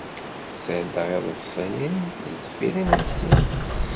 Ssardeɣ iḍebsiyen sdeffir yimensi.